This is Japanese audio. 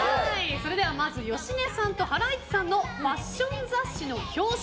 まず芳根さんとハライチさんのファッション雑誌の表紙。